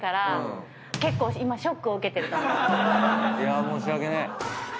いや申し訳ねえ。